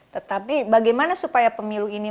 tetapi bagaimana supaya pemilu ini